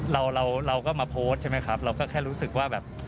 เราเราก็มาโพสต์ใช่ไหมครับเราก็แค่รู้สึกว่าแบบ